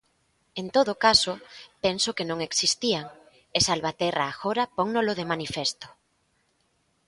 En todo caso, penso que non existían, e Salvaterra agora pónnolo de manifesto.